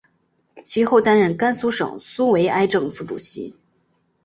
其后担任甘肃省苏维埃政府主席。